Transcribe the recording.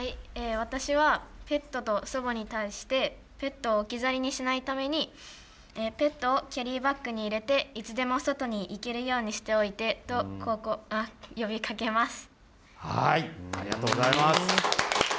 私は、ペットと祖母に対して、ペットを置き去りにしないために、ペットをキャリーバッグに入れて、いつでも外に行けるようにしておありがとうございます。